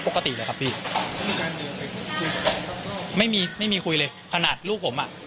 ปกติเลยครับพี่ไม่มีไม่มีคุยเลยขนาดลูกผมอ่ะ